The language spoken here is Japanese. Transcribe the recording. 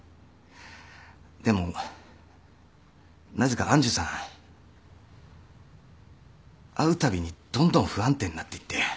でもなぜか愛珠さん会うたびにどんどん不安定になっていって。